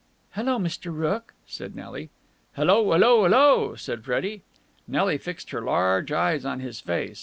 "Hello, Mr. Rooke!" said Nelly. "Hullo ullo ullo!" said Freddie. Nelly fixed her large eyes on his face.